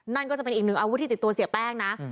นั่นก็จะเป็นอีกหนึ่งอาวุธที่ติดตัวเสียแป้งนะ